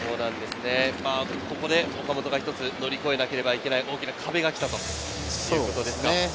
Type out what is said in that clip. ここで岡本が一つ乗り越えなければいけない大きな壁がきたということですか？